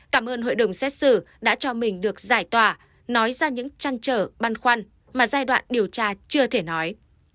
cảm ơn hội đồng xét xử đã cho mình được giải tỏa nói ra những chăn trở băn khoăn mà giai đoạn điều tra chưa thể nói